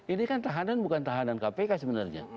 ini kan tahanan bukan tahanan kpk sebenarnya